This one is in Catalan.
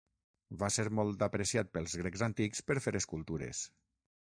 Va ser molt apreciat pels grecs antics per fer escultures.